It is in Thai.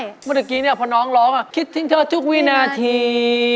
เมื่อกี้พอน้องร้องคิดทิ้งเธอทุกวินาที